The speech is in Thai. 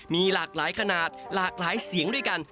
มีหลากหลายขนาดหลากหลายเสียงด้วยกัน